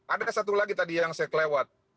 ada satu lagi tadi yang saya kelewat